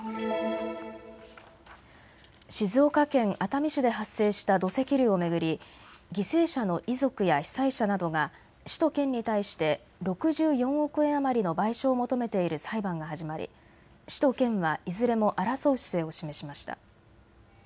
静岡県熱海市で発生した土石流を巡り犠牲者の遺族や被災者などが市と県に対して６４億円余りの賠償を求めている裁判が始まり市と県はいずれも争う姿勢を示しました。